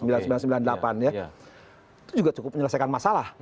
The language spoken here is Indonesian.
itu juga cukup menyelesaikan masalah